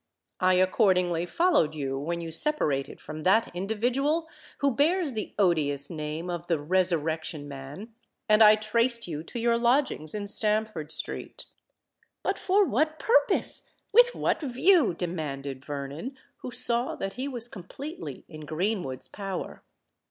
I accordingly followed you when you separated from that individual who bears the odious name of the Resurrection Man; and I traced you to your lodgings in Stamford Street." "But for what purpose? with what view?" demanded Vernon, who saw that he was completely in Greenwood's power.